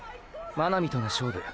真波との勝負